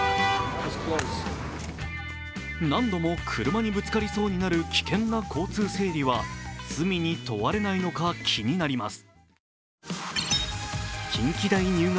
何度も車にぶつかりそうになる危険な交通整理は罪に問われないのか気になります。